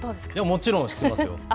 もちろん知ってますよ。